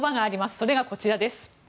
それがこちらです。